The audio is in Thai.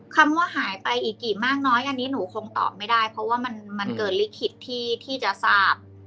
คำว่าหายไปอีกกี่มากน้อยอันนี้หนูคงตอบไม่ได้เพราะว่ามันเกินลิขิตที่จะทราบ